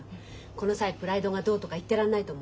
この際プライドがどうとか言ってらんないと思う。